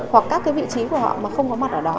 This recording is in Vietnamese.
hoặc các cái vị trí của họ mà không có mặt ở đó